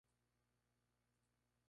I rara vez habla.